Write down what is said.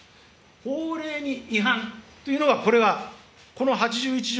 法令に違反というのは、これはこの８１条